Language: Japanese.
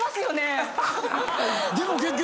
でも結局。